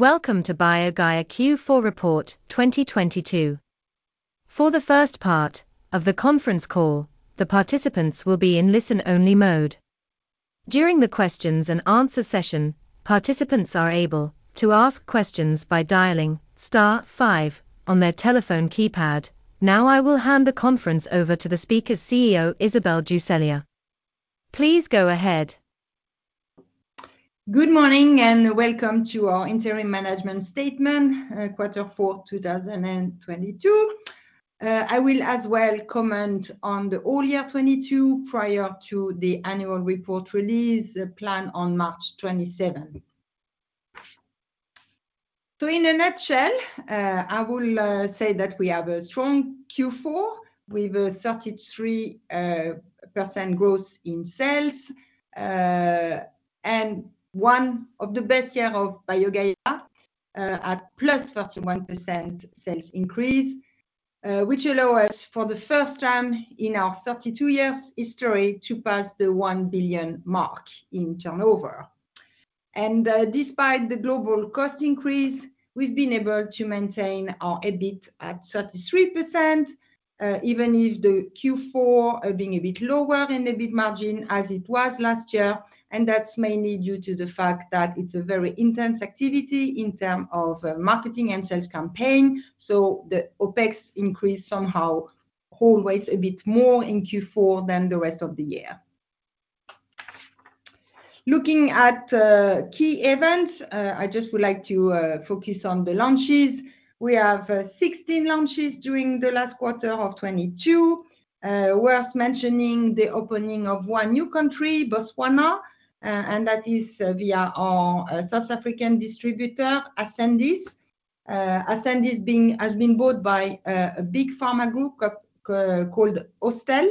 Welcome to BioGaia Q4 report 2022. For the first part of the conference call, the participants will be in listen-only mode. During the questions and answer session, participants are able to ask questions by dialing star five on their telephone keypad. I will hand the conference over to the speaker, CEO Isabelle Ducellier. Please go ahead. Good morning, welcome to our interim management statement, quarter four, 2022. I will as well comment on the all year 2022 prior to the annual report release plan on March 27th. In a nutshell, I will say that we have a strong Q4 with a 33% growth in sales, and one of the best year of BioGaia, at +31% sales increase, which allow us for the first time in our 32 years history to pass the 1 billion mark in turnover. Despite the global cost increase, we've been able to maintain our EBIT at 33%, even if the Q4 are being a bit lower in EBIT margin as it was last year, and that's mainly due to the fact that it's a very intense activity in term of marketing and sales campaign. The OPEX increase somehow always a bit more in Q4 than the rest of the year. Looking at key events, I just would like to focus on the launches. We have 16 launches during the last quarter of 2022. Worth mentioning the opening of one new country, Botswana, and that is via our South African distributor, Ascendis. Ascendis has been bought by a big pharma group called Austell.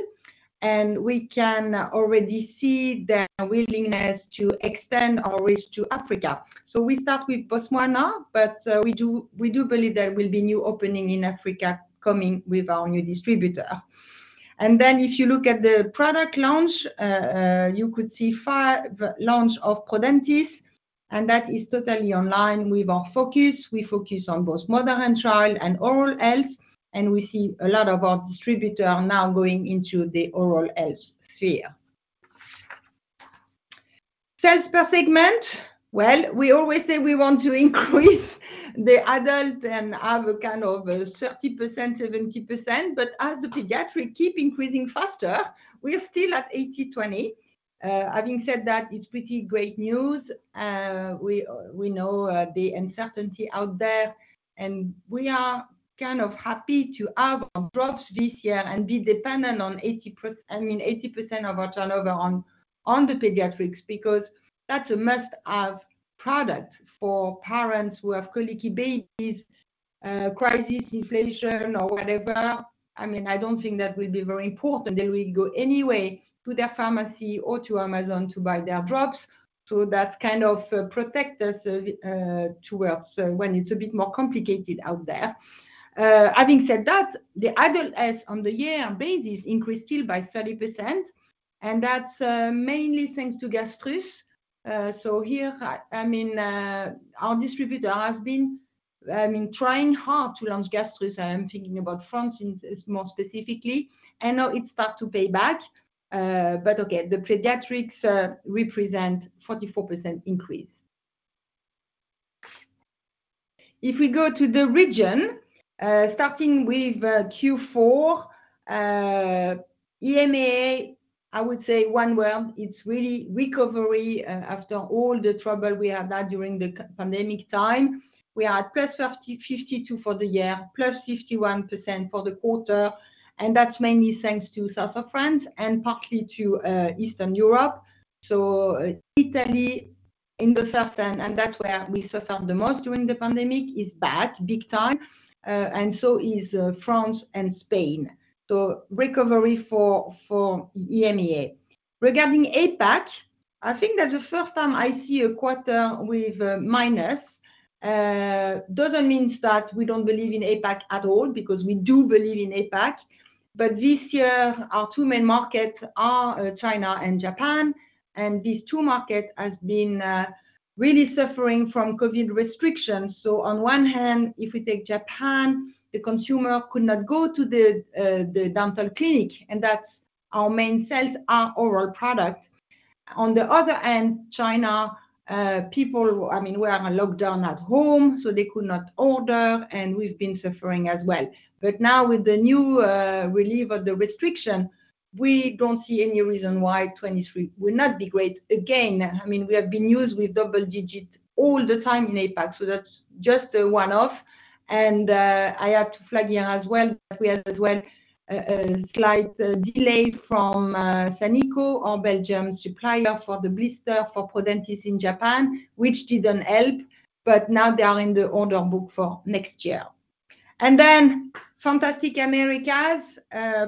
We can already see their willingness to extend our reach to Africa. We start with Botswana, but we do believe there will be new opening in Africa coming with our new distributor. If you look at the product launch, you could see 5 launch of Prodentis, and that is totally online with our focus. We focus on both mother and child and oral health, and we see a lot of our distributor now going into the oral health sphere. Sales per segment. We always say we want to increase the adult and have a kind of 30%, 70%. As the pediatric keep increasing faster, we're still at 80/20. Having said that, it's pretty great news. We know the uncertainty out there, we are kind of happy to have our drops this year and be dependent on 80% of our turnover on the pediatrics because that's a must-have product for parents who have colicky babies, crisis inflation or whatever. I mean, I don't think that will be very important. They will go anyway to their pharmacy or to Amazon to buy their drops. That kind of protect us to when it's a bit more complicated out there. Having said that, the adult health on the year basis increased still by 30%, that's mainly thanks to Gastrus. Here, I mean, our distributor has been, I mean, trying hard to launch Gastrus. I am thinking about France in more specifically, now it starts to pay back. Okay, the pediatrics represent 44% increase. If we go to the region, starting with Q4, EMEA, I would say 1 word, it's really recovery after all the trouble we have had during the co-pandemic time. We are at +52% for the year, +51% for the quarter, and that's mainly thanks to South of France and partly to Eastern Europe. Italy in the south end, and that's where we suffered the most during the pandemic, is back big time, and so is France and Spain. Recovery for EMEA. Regarding APAC, I think that's the first time I see a quarter with minus. Doesn't mean that we don't believe in APAC at all because we do believe in APAC. This year, our two main markets are China and Japan, and these two markets has been really suffering from COVID restrictions. On one hand, if we take Japan, the consumer could not go to the dental clinic, and that's our main sales are oral products. China, people, I mean, were on lockdown at home, so they could not order, and we've been suffering as well. Now with the new relieve of the restriction, we don't see any reason why 23 will not be great again. I mean, we have been used with double-digit all the time in APAC, so that's just a one-off. I have to flag here as well that we had as well a slight delay from Sanico, our Belgium supplier for the blister for Prodentis in Japan, which didn't help. Now they are in the order book for next year. Fantastic Americas,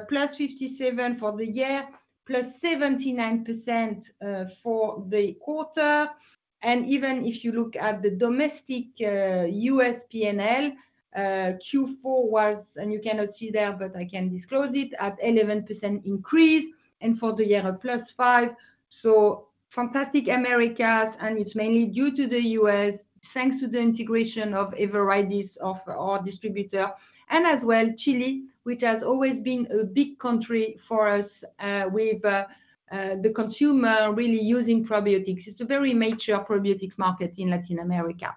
+57 for the year, +79% for the quarter. Even if you look at the domestic US P&L, Q4 was, and you cannot see there, but I can disclose it, at 11% increase, and for the year, a +5%. Fantastic Americas, and it's mainly due to the US, thanks to the integration of Everidis of our distributor, and as well, Chile, which has always been a big country for us, with the consumer really using probiotics. It's a very mature probiotics market in Latin America.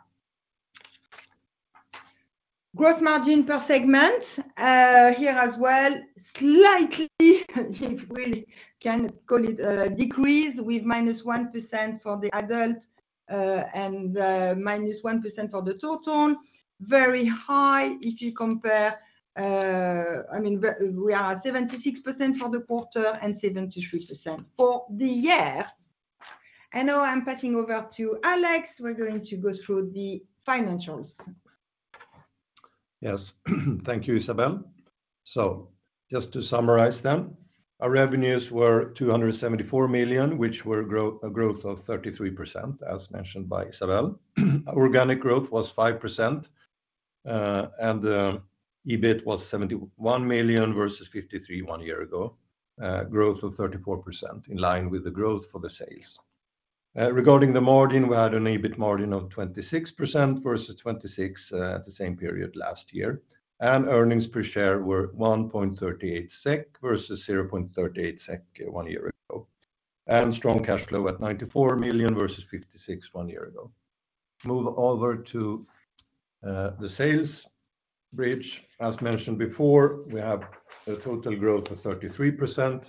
Gross margin per segment, here as well, slightly, if we can call it a decrease, with -1% for the adult, and -1% for the total. Very high if you compare, I mean, we are at 76% for the quarter and 73% for the year. Now I'm passing over to Alex. We're going to go through the financials. Yes. Thank you, Isabelle. Just to summarize, our revenues were 274 million, which were growth of 33%, as mentioned by Isabelle. Organic growth was 5%, the EBIT was 71 million versus 53 million one year ago, growth of 34% in line with the growth for the sales. Regarding the margin, we had an EBIT margin of 26% versus 26% the same period last year, earnings per share were 1.38 SEK versus 0.38 SEK one year ago, and strong cash flow at 94 million versus 56 million one year ago. Move over to the sales bridge. As mentioned before, we have a total growth of 33%,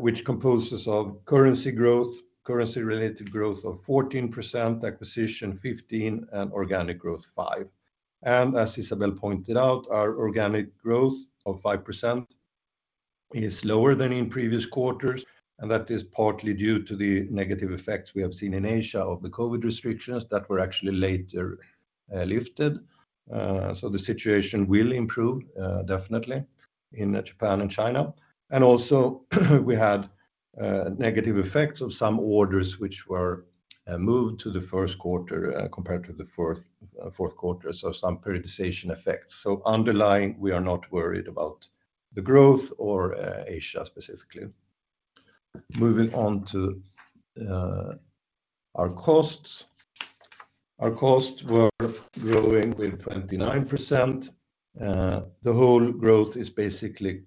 which composes of currency growth, currency related growth of 14%, acquisition 15%, and organic growth 5%. As Isabelle pointed out, our organic growth of 5% is lower than in previous quarters, and that is partly due to the negative effects we have seen in Asia of the COVID restrictions that were actually later lifted. The situation will improve, definitely in Japan and China. Also, we had negative effects of some orders which were moved to the first quarter, compared to the fourth quarter, so some periodization effects. Underlying, we are not worried about the growth or Asia specifically. Moving on to our costs. Our costs were growing with 29%. The whole growth is basically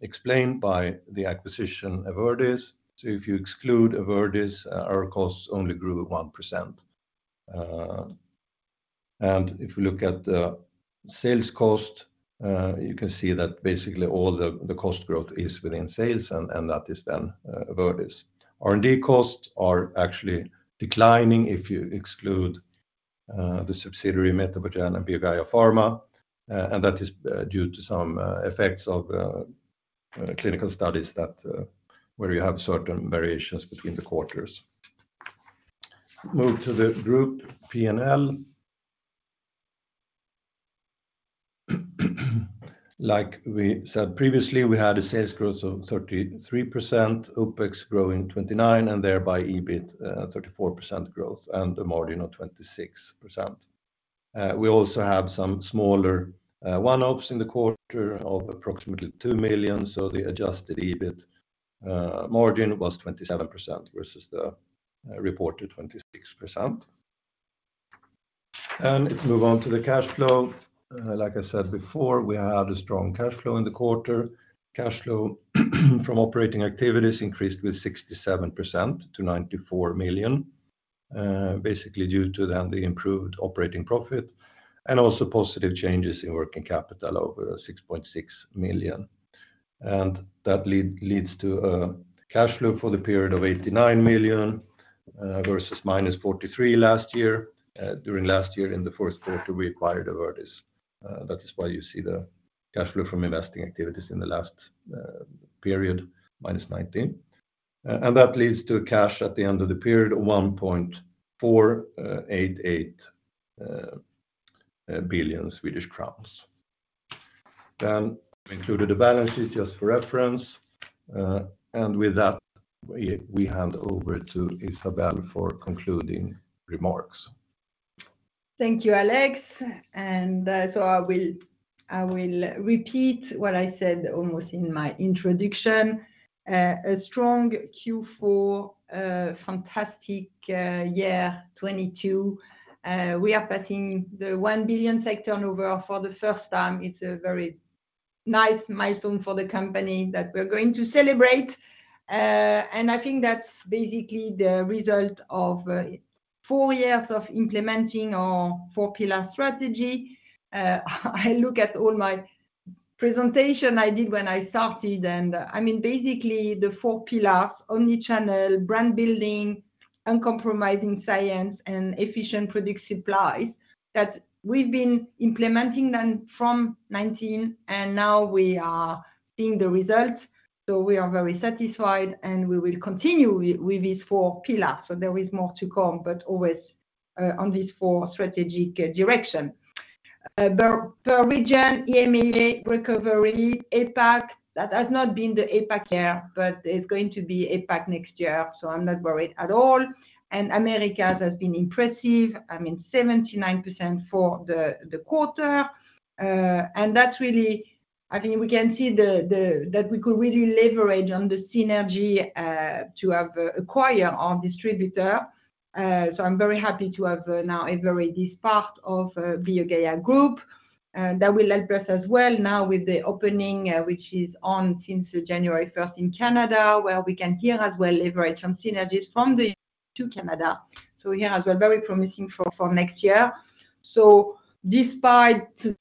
explained by the acquisition Everidis. If you exclude Everidis, our costs only grew 1%. If you look at the sales cost, you can see that basically all the cost growth is within sales and that is then Everidis. R&D costs are actually declining if you exclude the subsidiary MetaboGen and BioGaia Pharma, and that is due to some effects of clinical studies that where you have certain variations between the quarters. Move to the group P&L. Like we said previously, we had a sales growth of 33%, OPEX growing 29%, and thereby EBIT 34% growth and a margin of 26%. We also have some smaller one-offs in the quarter of approximately 2 million, so the adjusted EBIT margin was 27% versus the reported 26%. If we move on to the cash flow, like I said before, we had a strong cash flow in the quarter. Cash flow from operating activities increased with 67% to 94 million, basically due to then the improved operating profit and also positive changes in working capital over 6.6 million. That leads to a cash flow for the period of 89 million, versus minus 43 million last year. During last year in the first quarter, we acquired Everidis. That is why you see the cash flow from investing activities in the last period, minus 19 million. That leads to cash at the end of the period, 1.488 billion Swedish crowns. We included the balances just for reference. With that, we hand over to Isabelle for concluding remarks. Thank you, Alex. I will repeat what I said almost in my introduction. A strong Q4, fantastic year 2022. We are passing the 1 billion sector turnover for the first time. It's a very nice milestone for the company that we're going to celebrate. I think that's basically the result of 4 years of implementing our four-pillar strategy. I look at all my presentation I did when I started, I mean, basically the four pillars, omnichannel, brand building, uncompromising science, and efficient product supply, that we've been implementing them from 2019 and now we are seeing the results. We are very satisfied and we will continue with these four pillars. There is more to come, but always on these four strategic direction. The region EMEA recovery, APAC, that has not been the APAC year, but it's going to be APAC next year, so I'm not worried at all. Americas has been impressive. I mean, 79% for the quarter. That's really I think we can see that we could really leverage on the synergy to have acquire our distributor. I'm very happy to have now Everidis is part of BioGaia Group that will help us as well now with the opening, which is on since January 1st in Canada, where we can here as well leverage some synergies from the to Canada. Here as well, very promising for next year. Despite this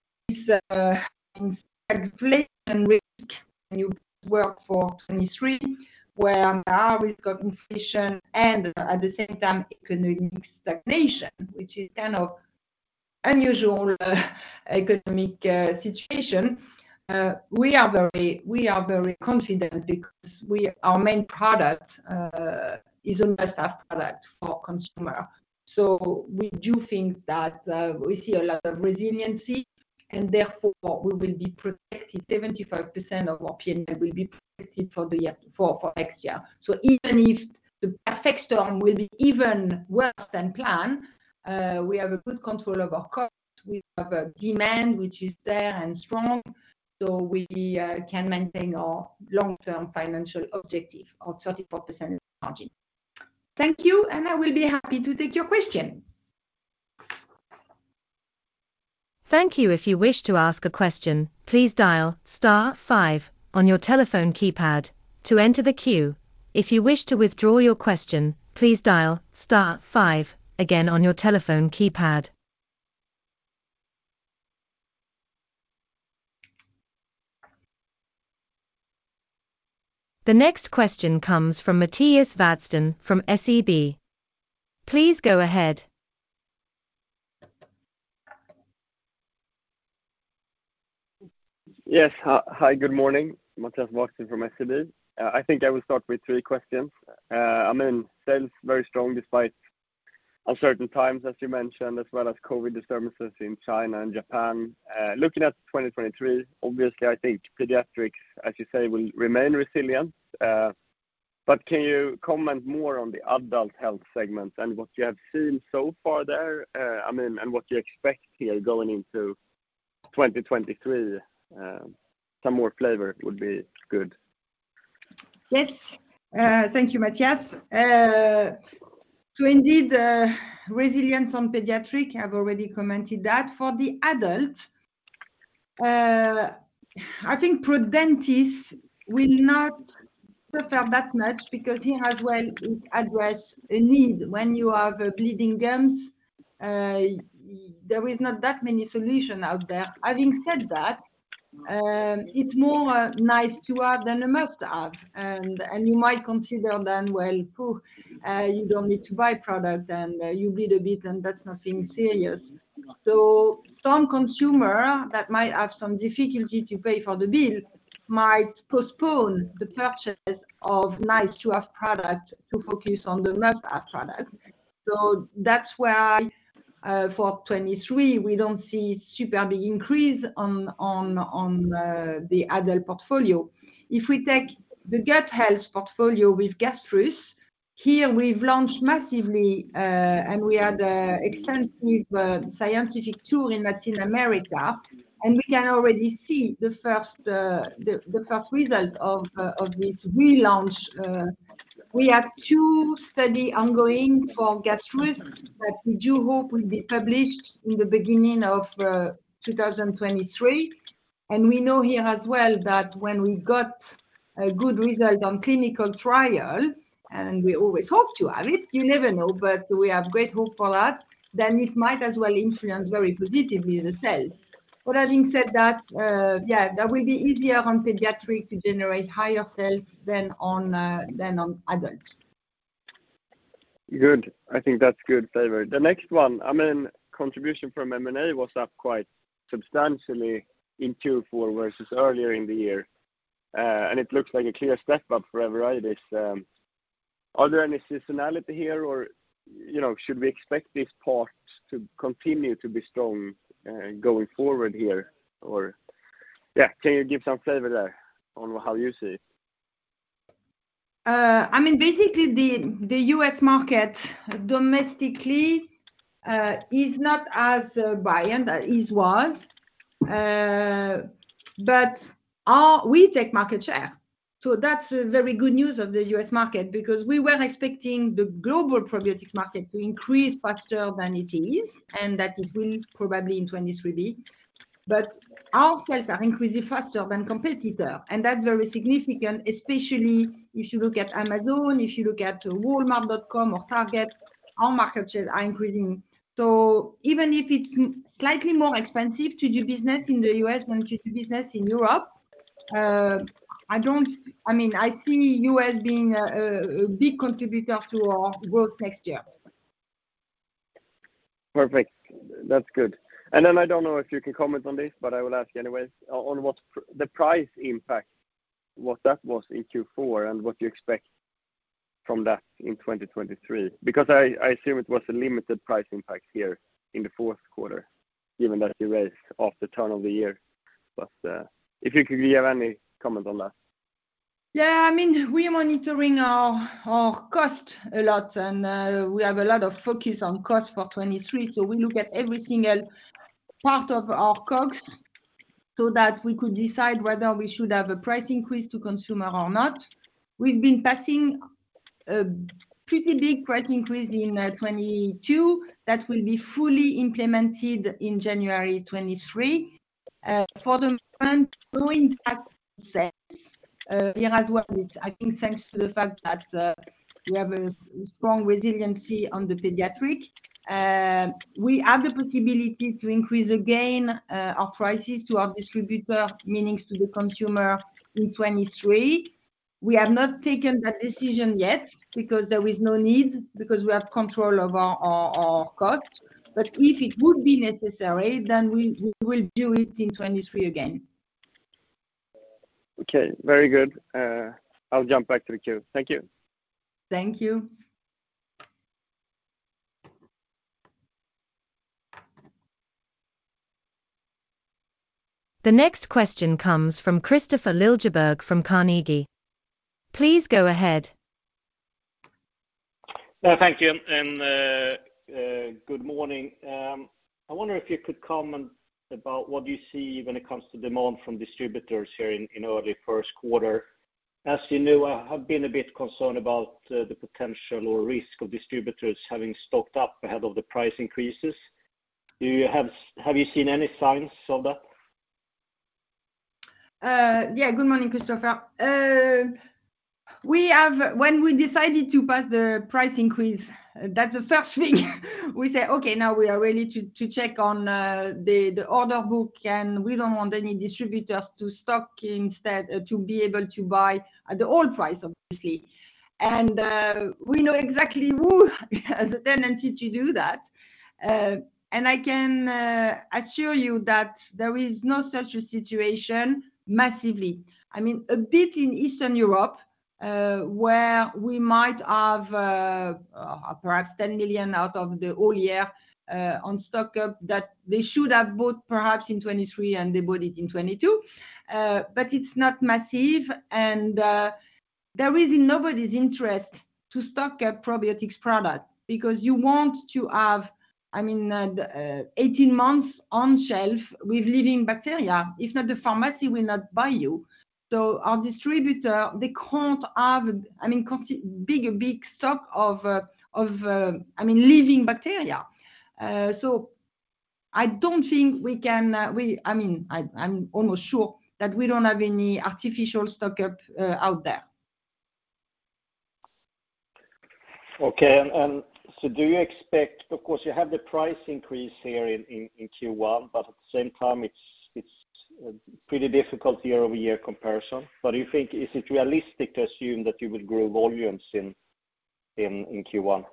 inflation which you work for 23, where now we've got inflation and at the same time economic stagnation, which is kind of unusual economic situation, we are very confident because our main product is a must-have product for consumer. We do think that we see a lot of resiliency, and therefore we will be protected. 75% of our P&L will be protected for next year. Even if the perfect storm will be even worse than planned, we have a good control of our costs. We have a demand which is there and strong, so we can maintain our long-term financial objective of 34% margin. Thank you, and I will be happy to take your question. Thank you. If you wish to ask a question, please dial star five on your telephone keypad to enter the queue. If you wish to withdraw your question, please dial star five again on your telephone keypad. The next question comes from Mattias Vadsten from SEB. Please go ahead. Yes. Hi, good morning, Mattias Vadsten from SEB. I think I will start with three questions. I mean, sales very strong, despite uncertain times as you mentioned, as well as COVID disturbances in China and Japan. Looking at 2023, obviously I think pediatrics, as you say, will remain resilient. Can you comment more on the adult health segment and what you have seen so far there? I mean, and what you expect here going into 2023, some more flavor would be good. Yes, thank you, Mattias. Indeed, resilience on pediatric, I've already commented that. For the adult, I think Prodentis will not suffer that much because he has well addressed a need. When you have bleeding gums, there is not that many solution out there. Having said that, it's more nice to have than a must-have. You might consider then, well, cool, you don't need to buy product and you bleed a bit and that's nothing serious. Some consumer that might have some difficulty to pay for the bill might postpone the purchase of nice-to-have product to focus on the must-have product. That's why, for 2023 we don't see super big increase on the adult portfolio. If we take the gut health portfolio with Gastrus, here we've launched massively. We had an extensive scientific tour in Latin America. We can already see the first result of this relaunch. We have two studies ongoing for Gastrus that we do hope will be published in the beginning of 2023. We know here as well that when we got a good result on clinical trial, and we always hope to have it, you never know, but we have great hope for that, then it might as well influence very positively the sales. Having said that, yeah, that will be easier on pediatric to generate higher sales than on adult. Good. I think that's good flavor. The next one, I mean, contribution from M&A was up quite substantially in Q4 versus earlier in the year. It looks like a clear step up for Everidis. Are there any seasonality here or, you know, should we expect this part to continue to be strong going forward here? Or, yeah, can you give some flavor there on how you see it? I mean basically the U.S. market domestically, is not as buoyant as it was. We take market share. That's very good news of the U.S. market because we were expecting the global probiotics market to increase faster than it is, and that it will probably in 2023 be. Our sales are increasing faster than competitor, and that's very significant, especially if you look at Amazon, if you look at Walmart.com or Target, our market shares are increasing. Even if it's slightly more expensive to do business in the U.S. than to do business in Europe, I mean, I see U.S. being a, a big contributor to our growth next year. Perfect. That's good. Then I don't know if you can comment on this, but I will ask you anyways on what the price impact, what that was in Q4 and what you expect from that in 2023. I assume it was a limited price impact here in the fourth quarter, given that you raised off the turn of the year. If you could give any comment on that. I mean, we are monitoring our cost a lot. We have a lot of focus on cost for 2023. We look at every single part of our costs so that we could decide whether we should have a price increase to consumer or not. We've been passing a pretty big price increase in 2022 that will be fully implemented in January 2023. For the time going up since we have worked, I think thanks to the fact that we have a strong resiliency on the pediatric. We have the possibility to increase again our prices to our distributor, meanings to the consumer in 2023. We have not taken that decision yet because there is no need because we have control over our costs. If it would be necessary, we will do it in 2023 again. Okay, very good. I'll jump back to the queue. Thank you. Thank you. The next question comes from Kristofer Liljeberg from Carnegie. Please go ahead. Yeah, thank you. Good morning. I wonder if you could comment about what you see when it comes to demand from distributors here in early first quarter. As you know, I have been a bit concerned about the potential or risk of distributors having stocked up ahead of the price increases. Have you seen any signs of that? Yeah. Good morning, Kristofer. When we decided to pass the price increase, that's the first thing we say, "Okay, now we are ready to check on the order book, and we don't want any distributors to stock instead to be able to buy at the old price, obviously." We know exactly who has the tendency to do that. I can assure you that there is no such a situation massively. I mean, a bit in Eastern Europe, where we might have perhaps 10 million out of the whole year on stock up that they should have bought perhaps in 2023 and they bought it in 2022. It's not massive and there is in nobody's interest to stock a probiotics product because you want to have, I mean, the 18 months on shelf with living bacteria. If not, the pharmacy will not buy you. Our distributor, they can't have, I mean, big stock of, I mean, living bacteria. I don't think we can, I mean, I'm almost sure that we don't have any artificial stock up out there. Okay. Do you expect... Of course you have the price increase here in Q1, but at the same time it's pretty difficult year-over-year comparison. Do you think is it realistic to assume that you would grow volumes in Q1?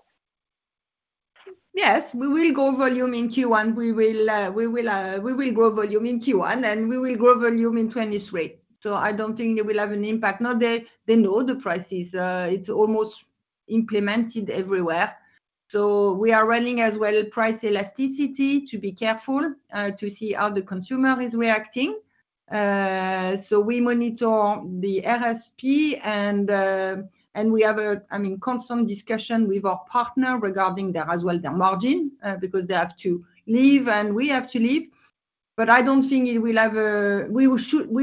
Yes, we will grow volume in Q1. We will grow volume in Q1 and we will grow volume in 2023. I don't think it will have an impact. Now they know the prices. It's almost implemented everywhere. We are running as well price elasticity to be careful to see how the consumer is reacting. We monitor the RSP and we have a, I mean, constant discussion with our partner regarding their as well their margin because they have to live and we have to live. I don't think it will have a. We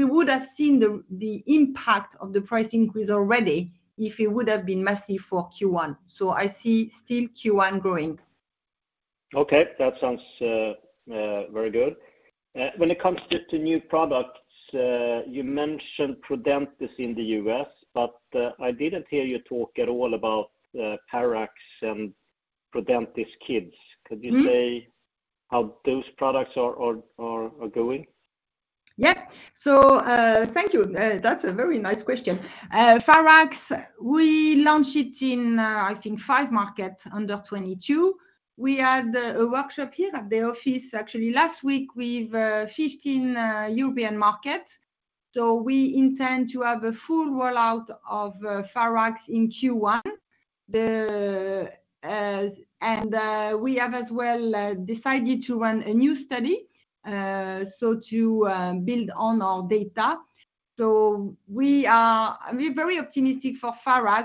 would have seen the impact of the price increase already if it would have been massive for Q1. I see still Q1 growing. Okay, that sounds very good. When it comes to new products, you mentioned Prodentis in the US, but I didn't hear you talk at all about Pharax and Prodentis KIDS. Mm-hmm. Could you say how those products are going? Yeah. Thank you. That's a very nice question. Pharax, we launched it in I think five markets under 2022. We had a workshop here at the office actually last week with 15 European markets. We intend to have a full rollout of Pharax in Q1. The, and, we have as well, decided to run a new study, so to build on our data. We are, we're very optimistic for Pharax.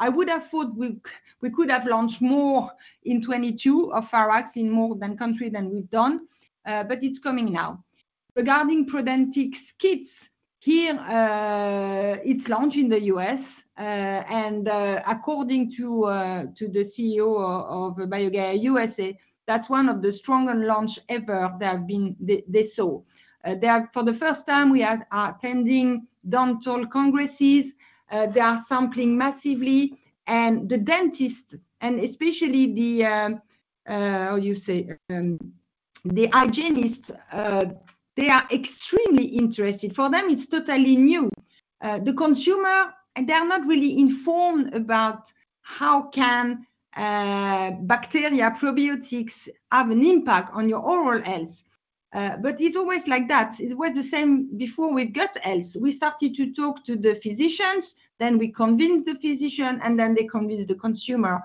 I would have thought we could have launched more in 2022 of Pharax in more than country than we've done, but it's coming now. Regarding Prodentis KIDS, here, it's launched in the US, and, according to the CEO of BioGaia USA, that's one of the stronger launch ever there have been they saw. For the first time we are attending dental congresses, they are sampling massively. The dentist and especially the hygienists, they are extremely interested. For them it's totally new. The consumer, they are not really informed about how can bacteria probiotics have an impact on your oral health. It's always like that. It was the same before we got health. We started to talk to the physicians, then we convince the physician, and then they convince the consumer.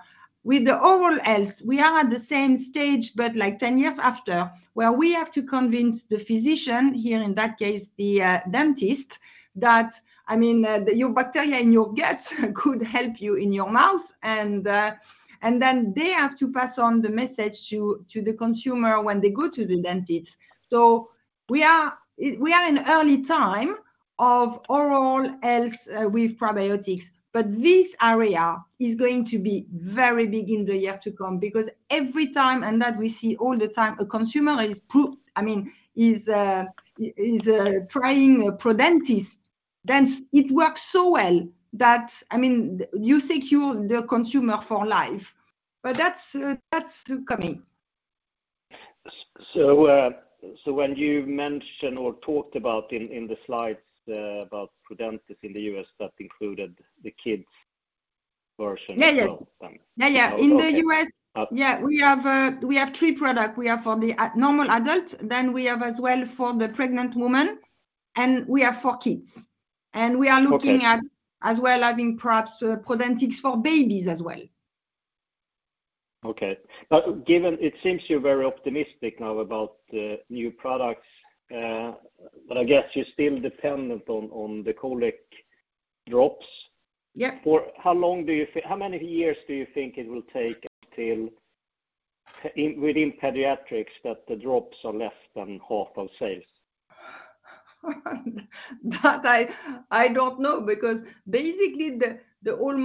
With the oral health, we are at the same stage, but like 10 years after, where we have to convince the physician here, in that case, the dentist, that, I mean, your bacteria in your gut could help you in your mouth. Then they have to pass on the message to the consumer when they go to the dentist. We are in early time of oral health with probiotics, but this area is going to be very big in the year to come, because every time, and that we see all the time, a consumer I mean, is trying Prodentis, then it works so well that, I mean, you secure the consumer for life. That's coming. When you mentioned or talked about in the slides, about Prodentis in the U.S., that included the kids version as well then. Yeah, yeah. Okay. Yeah, yeah. In the U.S.- Uh- Yeah, we have, we have three product. We have for the normal adult. We have as well for the pregnant woman. We have for kids. Okay. We are looking at as well having perhaps Prodentis for babies as well. Okay. Given it seems you're very optimistic now about the new products, but I guess you're still dependent on the Colic Drops. Yeah. For how long do you how many years do you think it will take until within pediatrics that the drops are less than half of sales? That I don't know, because basically the whole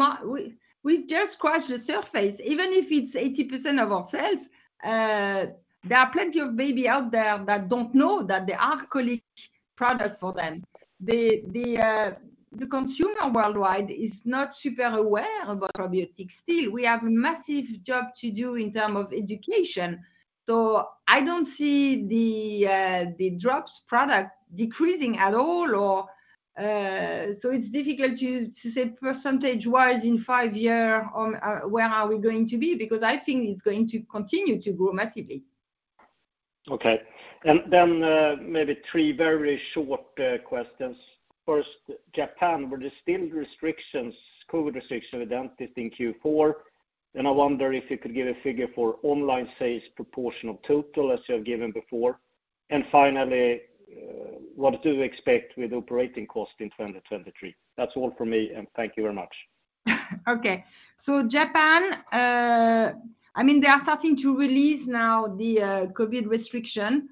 we've just scratched the surface. Even if it's 80% of our sales, there are plenty of baby out there that don't know that there are colic product for them. The consumer worldwide is not super aware about probiotics still. We have massive job to do in term of education. I don't see the drops product decreasing at all or, so it's difficult to say percentage-wise in five year on, where are we going to be, because I think it's going to continue to grow massively. Okay. Maybe three very short questions. First, Japan, were there still restrictions, COVID restrictions with dentists in Q4? I wonder if you could give a figure for online sales proportion of total, as you have given before. Finally, what do you expect with operating cost in 2023? That's all for me, thank you very much. Okay. Japan, I mean, they are starting to release now the COVID restriction.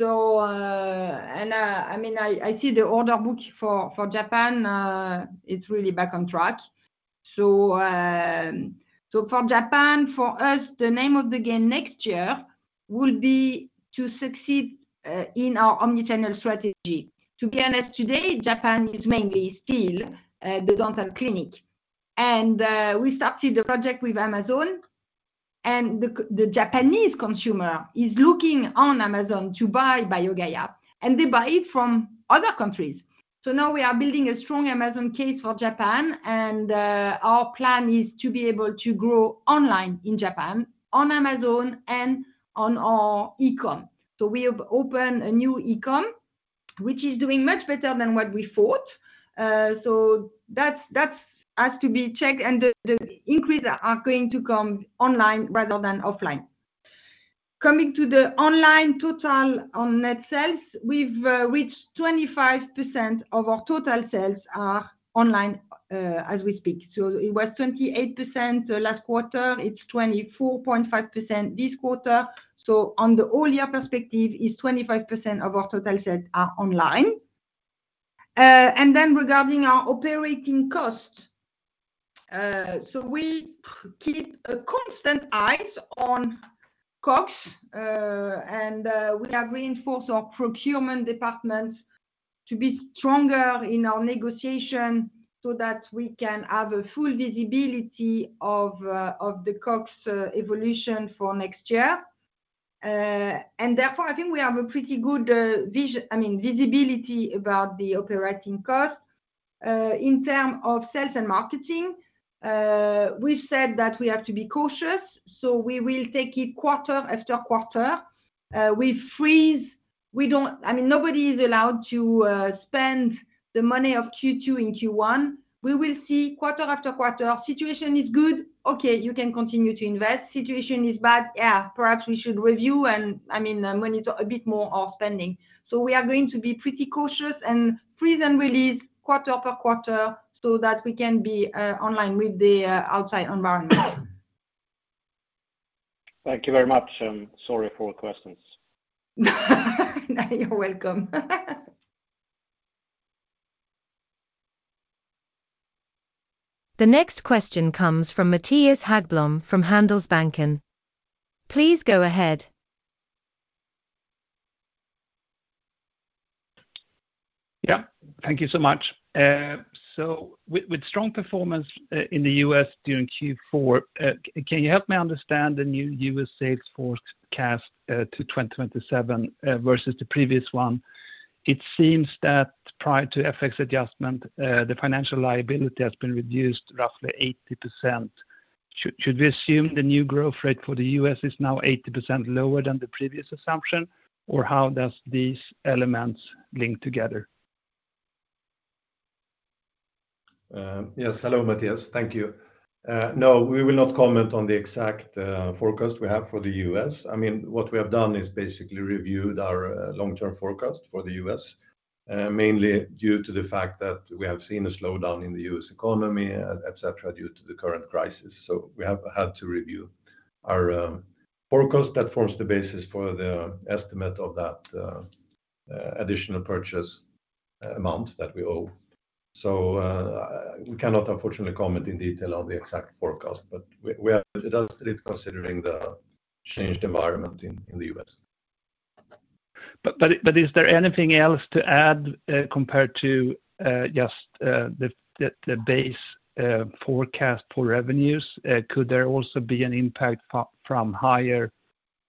I mean, I see the order book for Japan, it's really back on track. For Japan, for us, the name of the game next year will be to succeed in our omnichannel strategy. To be honest, today, Japan is mainly still the dental clinic. We started the project with Amazon, and the Japanese consumer is looking on Amazon to buy BioGaia, and they buy it from other countries. Now we are building a strong Amazon case for Japan, and our plan is to be able to grow online in Japan on Amazon and on our e-commerce. We have opened a new e-commerce, which is doing much better than what we thought. That's has to be checked, and the increase are going to come online rather than offline. Coming to the online total on net sales, we've reached 25% of our total sales are online as we speak. It was 28% last quarter. It's 24.5% this quarter. On the all year perspective, it's 25% of our total sales are online. Regarding our operating costs, we keep a constant eyes on costs, and we have reinforced our procurement department to be stronger in our negotiation so that we can have a full visibility of the costs evolution for next year. Therefore, I think we have a pretty good I mean, visibility about the operating costs. In term of sales and marketing, we've said that we have to be cautious, so we will take it quarter after quarter. We freeze. I mean, nobody is allowed to spend the money of Q2 in Q1. We will see quarter after quarter. Situation is good, okay, you can continue to invest. Situation is bad, yeah, perhaps we should review and, I mean, when it's a bit more of spending. We are going to be pretty cautious and freeze and release quarter per quarter so that we can be online with the outside environment. Thank you very much. I'm sorry for all questions. You're welcome. The next question comes from Mattias Häggblom from Handelsbanken. Please go ahead. Yeah. Thank you so much. With strong performance in the U.S. during Q4, can you help me understand the new U.S. sales forecast to 2027 versus the previous one? It seems that prior to FX adjustment, the financial liability has been reduced roughly 80%. Should we assume the new growth rate for the US is now 80% lower than the previous assumption? How does these elements link together? Yes. Hello, Mattias. Thank you. No, we will not comment on the exact forecast we have for the U.S. I mean, what we have done is basically reviewed our long-term forecast for the U.S., mainly due to the fact that we have seen a slowdown in the U.S. economy, et cetera, due to the current crisis. We have had to review our forecast that forms the basis for the estimate of that additional purchase amount that we owe. We cannot unfortunately comment in detail on the exact forecast, but we are definitely considering the changed environment in the U.S. Is there anything else to add, compared to, just, the base, forecast for revenues? Could there also be an impact from higher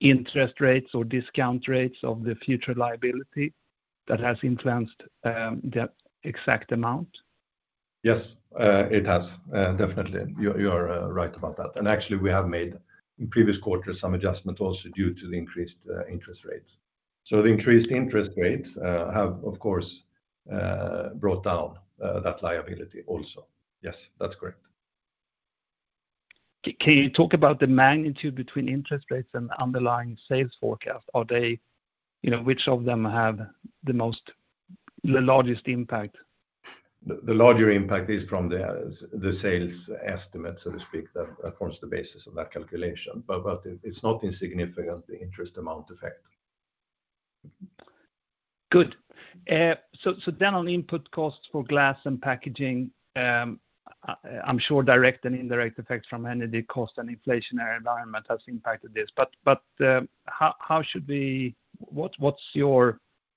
interest rates or discount rates of the future liability that has influenced, the exact amount? Yes. It has definitely. You are right about that. Actually we have made in previous quarters some adjustments also due to the increased interest rates. The increased interest rates have of course brought down that liability also. Yes, that's correct. Can you talk about the magnitude between interest rates and underlying sales forecast? You know, which of them have the largest impact? The larger impact is from the sales estimate, so to speak, that forms the basis of that calculation. It's not insignificant, the interest amount effect. Good. On input costs for glass and packaging, I'm sure direct and indirect effects from energy costs and inflationary environment has impacted this.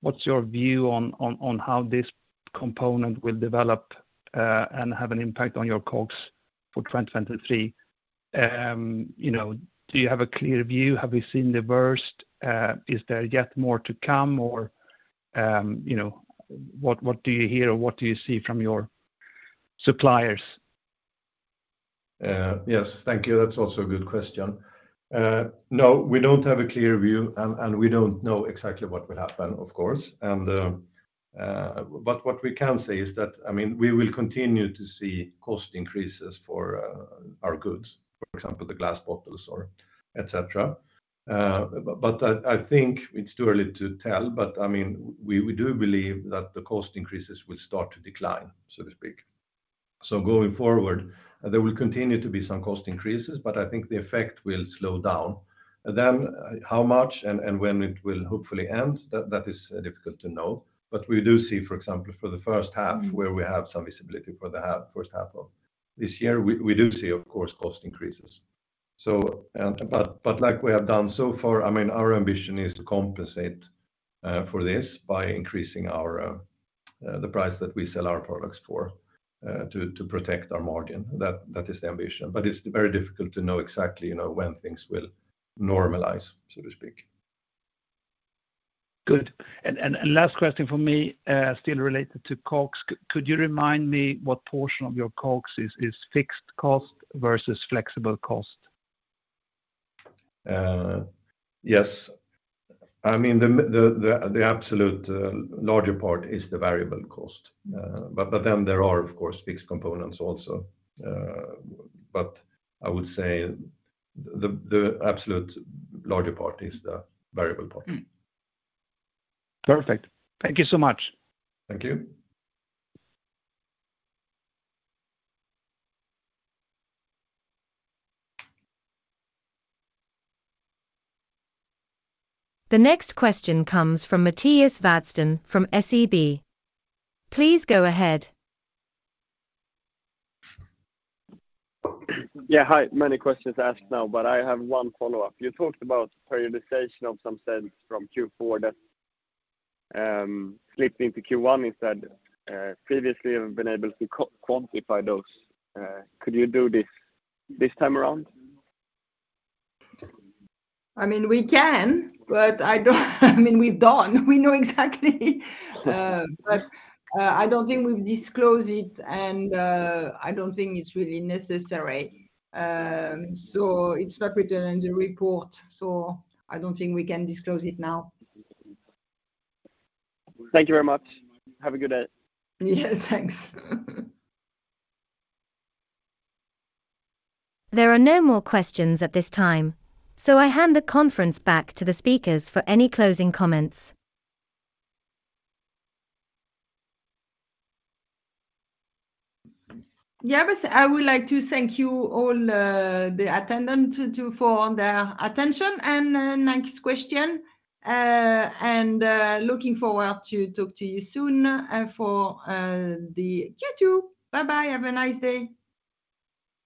What's your view on how this component will develop and have an impact on your COGS for 2023? You know, do you have a clear view? Have we seen the worst? Is there yet more to come or, you know, what do you hear or what do you see from your suppliers? Yes. Thank you. That's also a good question. No, we don't have a clear view, and we don't know exactly what will happen, of course. But what we can say is that, I mean, we will continue to see cost increases for our goods, for example, the glass bottles or et cetera. But I think it's too early to tell, but I mean, we do believe that the cost increases will start to decline, so to speak. Going forward, there will continue to be some cost increases, but I think the effect will slow down. How much and when it will hopefully end, that is difficult to know. We do see, for example, for the first half where we have some visibility for the half, first half of this year, we do see of course cost increases. Like we have done so far, I mean, our ambition is to compensate for this by increasing our the price that we sell our products for to protect our margin. That is the ambition, but it's very difficult to know exactly, you know, when things will normalize, so to speak. Good. Last question for me, still related to COGS. Could you remind me what portion of your COGS is fixed cost versus flexible cost? Yes. I mean, the absolute larger part is the variable cost. Then there are of course fixed components also. I would say the absolute larger part is the variable part. Perfect. Thank you so much. Thank you. The next question comes from Mattias Vadsten from SEB. Please go ahead. Yeah. Hi. Many questions asked now. I have one follow-up. You talked about periodization of some sales from Q4 that slipped into Q1 instead. Previously you've been able to quantify those. Could you do this this time around? I mean, we can, but I don't... I mean, we've done, we know exactly. I don't think we've disclosed it, and I don't think it's really necessary. It's not written in the report, I don't think we can disclose it now. Thank you very much. Have a good day. Yeah, thanks. There are no more questions at this time. I hand the conference back to the speakers for any closing comments. Yeah. I would like to thank you all, the attendants for their attention and nice question, looking forward to talk to you soon, for the Q2. Bye-bye. Have a nice day.